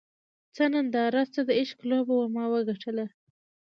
څه ننداره څه د عشق لوبه وه ما وګټله